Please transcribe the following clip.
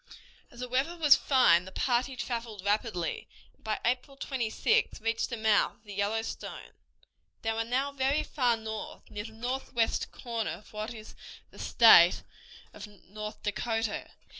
As the weather was fine the party traveled rapidly, and by April 26th reached the mouth of the Yellowstone. They were now very far north, near the northwest corner of what is the state of North Dakota.